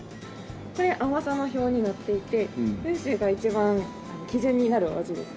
これ甘さの表になっていて温州が一番基準になるお味です。